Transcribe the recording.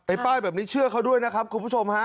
ป้ายแบบนี้เชื่อเขาด้วยนะครับคุณผู้ชมฮะ